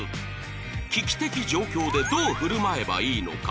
危機的状況でどう振る舞えばいいのか？